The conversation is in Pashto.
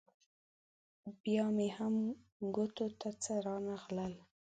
بیا مې هم ګوتو ته څه رانه غلل.